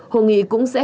hồng nghị cũng sẽ